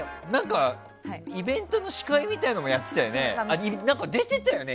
イベントの司会みたいなものもやってたよね。